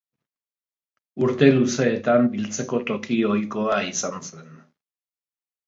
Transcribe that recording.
Urte luzeetan biltzeko toki ohikoa izan zen.